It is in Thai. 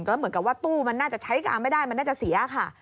ก็เหมือนกับว่าตู้มันน่าจะใช้การไม่ได้มันน่าจะเสียค่ะ